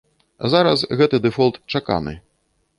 Зараз гэты дэфолт чаканы.